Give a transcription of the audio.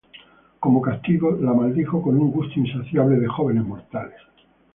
Como castigo, la maldijo con un gusto insaciable de jóvenes mortales.